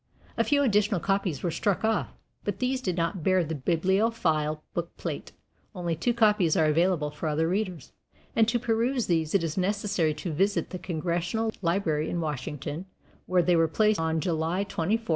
A few additional copies were struck off, but these did not bear the Bibliophile book plate. Only two copies are available for other readers, and to peruse these it is necessary to visit the Congressional Library in Washington, where they were placed on July 24, 1908.